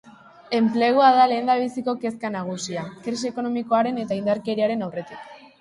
Enplegua da lehendabiziko kezka nagusia, krisi ekonomikoaren eta indarkeriaren aurretik.